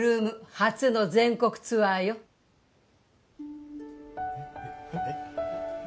初の全国ツアーよえっ？